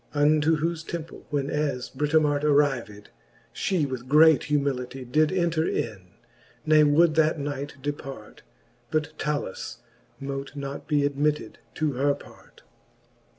Unto whofe temple when as Britomart Arrived, flie with great humility Did enter in, ne would that night depart \ But Talus mote not be admitted to her part.